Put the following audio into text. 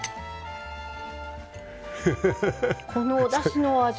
このおだしの味